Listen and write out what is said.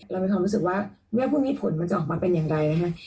เรามีความรู้สึกว่าแม่ผู้มีผลมันจะออกมาเป็นอย่างไรนะฮะ